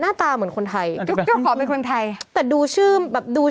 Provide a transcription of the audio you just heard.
มาให้ดู